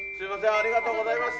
ありがとうございます。